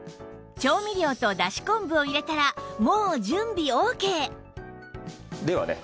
調味料とだし昆布を入れたらもう準備オーケーではね